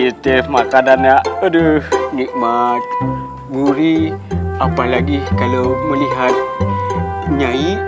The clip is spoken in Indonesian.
it is makanan ya aduh nikmat buri apalagi kalau melihat nyai